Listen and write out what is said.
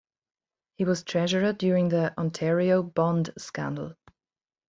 He was treasurer during the Ontario Bond Scandal.